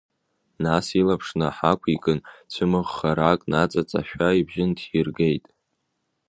Нас илаԥш наҳақәикын, цәымыӷхарак наҵаҵашәа, ибжьы нҭиргеит…